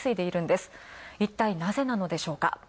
いったいなぜなのでしょうか。